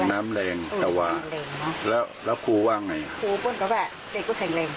น้ำแรงแต่ว่าแล้วแล้วครูว่าไงครูพูดก็ว่าเด็กก็แข็งแรง